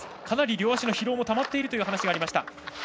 かなり両足の疲労もたまっているという話がありました。